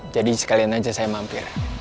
jadi sekalian aja saya mampir